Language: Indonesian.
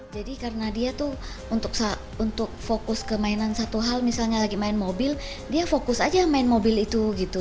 jadi karena dia tuh untuk fokus ke mainan satu hal misalnya lagi main mobil dia fokus aja main mobil itu gitu